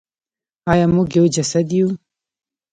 آیا موږ یو جسد یو؟